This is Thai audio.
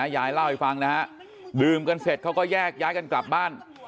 ยายเล่าให้ฟังนะฮะดื่มกันเสร็จเขาก็แยกย้ายกันกลับบ้าน